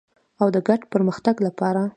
او د ګډ پرمختګ لپاره.